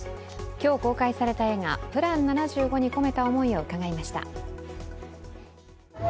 今日公開された映画「ＰＬＡＮ７５」に込めた思いを伺いました。